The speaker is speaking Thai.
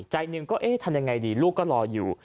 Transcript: ใจหนึ่งก็เอ๊ะทำยังไงดีลูกก็รออยู่